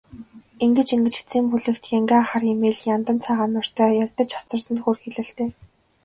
Ингэж ингэж эцсийн бүлэгт янгиа хар эмээл, яндан цагаан морьтой ягдаж хоцорсон нь хөөрхийлөлтэй.